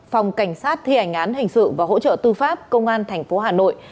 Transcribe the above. phòng cảnh sát thi hành án hình sự và hỗ trợ tư pháp công an thành phố hà nội